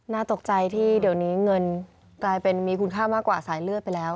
น่าตกใจที่เดี๋ยวนี้เงินกลายเป็นมีคุณค่ามากกว่าสายเลือดไปแล้ว